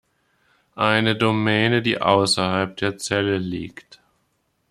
Eine Domäne, die außerhalb der Zelle liegt.